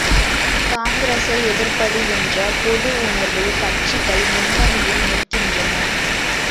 காங்கிரசை எதிர்ப்பது என்ற பொது உணர்வில் கட்சிகள் முன்னணியில் நிற்கின்றன.